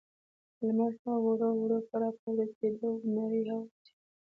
لمر هم ورو، ورو په راپورته کېدو و، نرۍ هوا چلېده.